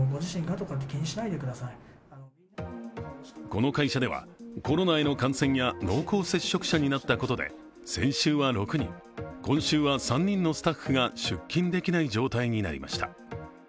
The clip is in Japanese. この会社では、コロナへの感染や濃厚接触者になったことで先週は６人、今週は３人のスタッフが出勤できない状態になりました。